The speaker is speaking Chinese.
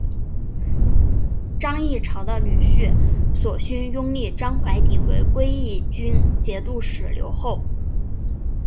张议潮的女婿索勋拥立张淮鼎为归义军节度使留后。